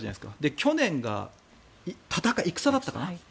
去年が「戦」だったかな。